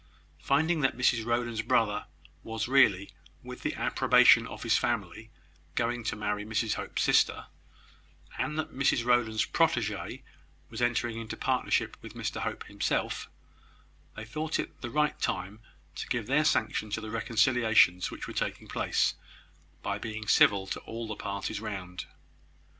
Finding that Mrs Rowland's brother was really, with the approbation of his family, going to marry Mrs Hope's sister, and that Mrs Rowland's protege was entering into partnership with Mr Hope himself, they thought it the right time to give their sanction to the reconciliations which were taking place, by being civil to all the parties round.